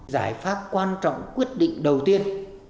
giải pháp quan trọng quyết định đầu tiên